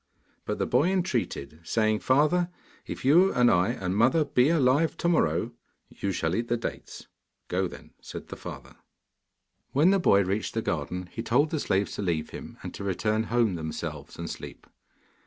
But the boy entreated, saying, 'Father, if you and I and mother be alive to morrow, you shall eat the dates.' 'Go then,' said his father. When the boy reached the garden, he told the slaves to leave him, and to return home themselves and sleep.